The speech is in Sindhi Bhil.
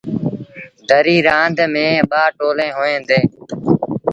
دريٚ رآند ميݩ ٻا ٽولين هوئيݩ ديٚݩ۔